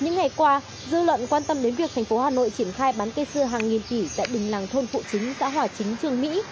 những ngày qua dư luận quan tâm đến việc thành phố hà nội triển khai bán cây xưa hàng nghìn tỷ tại bình làng thôn phụ chính xã hòa chính trường mỹ